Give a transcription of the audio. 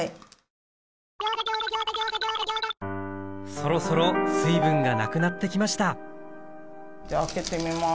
そろそろ水分がなくなってきました開けてみます。